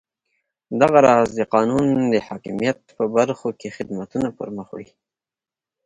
دغه راز د قانون د حاکمیت په برخو کې خدمتونه پرمخ وړي.